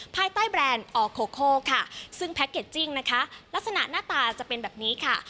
ภายใต้แบรนด์ออโคโคค่ะซึ่งแพ็กเกจจิ้งนะคะลักษณะหน้าตาจะเป็นแบบนี้ค่ะ